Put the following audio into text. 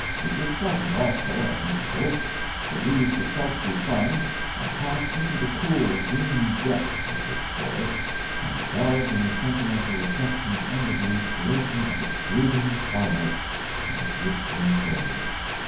It was pleasant also, at intervals, to leave the sultry sun and pass into the cool, green depths of this forest and indulge in sentimental reflections under the inspiration of its brooding twilight and its whispering foliage.